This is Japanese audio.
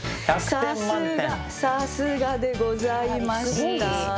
さすがでございました！